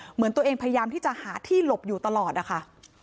เหมือนตัวเองพยายามที่จะหาที่หลบอยู่ตลอดนะคะ